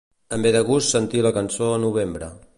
Em ve de gust sentir la cançó "Novembre".